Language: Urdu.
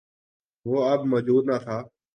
وہ اب موجود نہ تھا۔